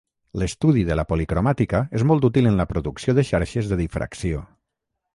L'estudi de la policromàtica és molt útil en la producció de xarxes de difracció.